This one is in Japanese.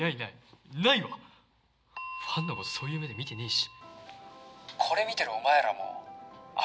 「ファンのことそういう目で見てねぇし」